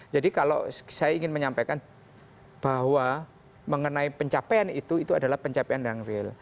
jadi kalau saya ingin menyampaikan bahwa mengenai pencapaian itu itu adalah pencapaian yang real